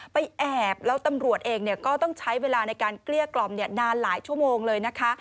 แอบแล้วตำรวจเองก็ต้องใช้เวลาในการเกลี้ยกล่อมนานหลายชั่วโมงเลยนะคะ